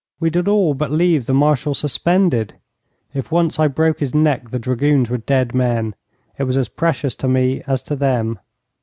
We did all but leave the Marshal suspended. If once I broke his neck the dragoons were dead men. It was as precious to me as to them.